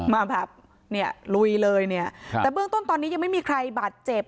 มาแบบเนี่ยลุยเลยเนี่ยแต่เบื้องต้นตอนนี้ยังไม่มีใครบาดเจ็บ